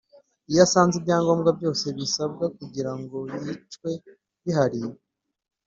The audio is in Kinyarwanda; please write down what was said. Iyo asanze ibyangombwa byose bisabwa kugira ngo yicwe bihari